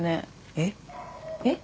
えっ？えっ？